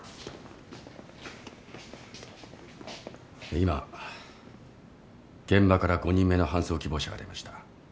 今現場から５人目の搬送希望者が出ました。